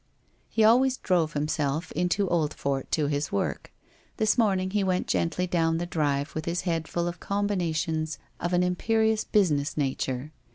He always drove himself into Oldfort to his work. This morning he went gently down the drive with his head full of combinations of an imperious business nature.